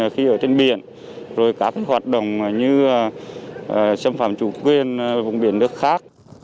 khi ở trên biển rồi các hoạt động như xâm phạm chủ quyền vùng biển nước khác